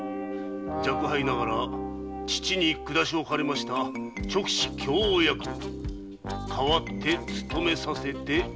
若輩ながら父に下しおかれました勅使供応役代わって務めさせて頂きます。